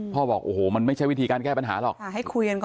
พ่อบอกโอ้โหมันไม่ใช่วิธีการแก้ปัญหาหรอก